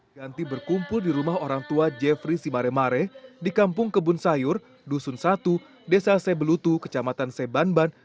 ganti berkumpul di rumah orang tua jeffrey simaremare di kampung kebun sayur dusun satu desa sebelutu kecamatan sebanban